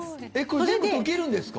これ、全部溶けるんですか？